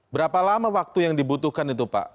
berapa lama waktu yang dibutuhkan itu pak